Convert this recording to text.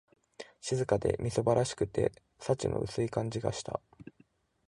静かで、みすぼらしくて、幸の薄い感じがした